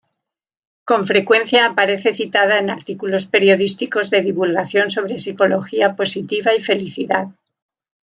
Con frecuencia aparece citada en artículos periodísticos de divulgación sobre psicología positiva y felicidad.